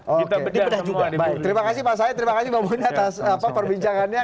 oke terima kasih pak sayed terima kasih pak bunyi atas perbincangannya